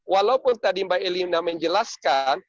walaupun tadi mbak elienda menjelaskan